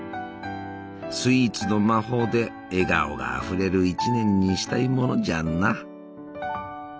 スイーツの魔法で笑顔があふれる一年にしたいものじゃな。